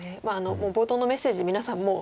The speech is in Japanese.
冒頭のメッセージ皆さんもう。